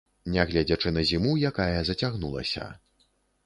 Нягледзячы на зіму, якая зацягнулася.